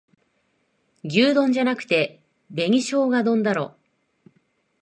牛丼じゃなくて紅しょうが丼だろ